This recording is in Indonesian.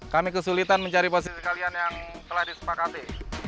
kami kesulitan mencari posisi kalian yang telah disepakati